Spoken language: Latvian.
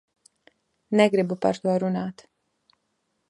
Negribu par to runāt.